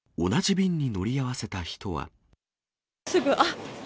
すぐ、あっ、え？